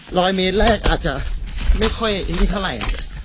ร้อยเมตรแรกอาจจะไม่ค่อยเท่าไหร่